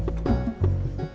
apa gue kunjungi